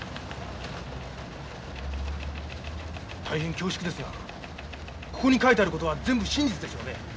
大変恐縮ですがここに書いてある事は全部真実でしょうね？